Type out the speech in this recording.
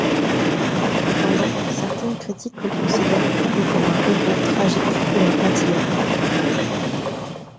Cependant, certaines critiques le considèrent plutôt comme un héros tragique, ou un anti-héros.